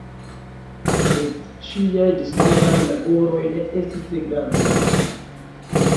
Sed ŝiaj ĝisnunaj laboroj ne estis tre grandaj.